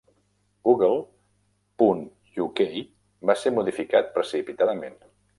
Google punt uk va ser modificat precipitadament.